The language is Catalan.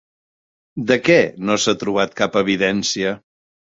De què no s'ha trobat cap evidència?